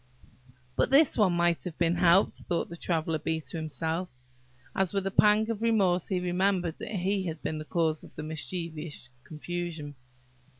"But this one might have been helped," thought the Traveller bee to himself, as with a pang of remorse he remembered that he had been the cause of the mischievous confusion.